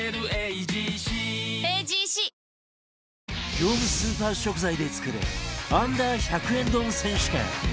業務スーパー食材で作る Ｕ−１００ 円丼選手権